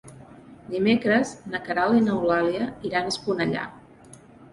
Dimecres na Queralt i n'Eulàlia iran a Esponellà.